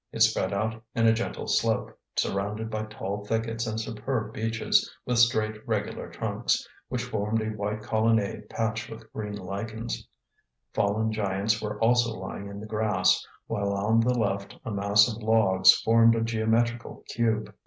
It spread out in a gentle slope, surrounded by tall thickets and superb beeches with straight regular trunks, which formed a white colonnade patched with green lichens; fallen giants were also lying in the grass, while on the left a mass of logs formed a geometrical cube.